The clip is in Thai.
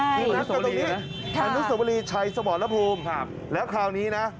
ใช่นัดกันตรงนี้อนุสวรีชัยสมรพภูมิแล้วคราวนี้นะ